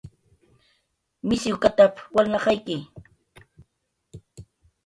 "Mishiwkatap"" walnaqayki"